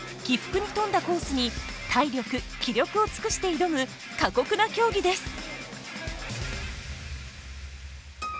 起伏に富んだコースに体力、気力を尽くして挑む過酷な競技です。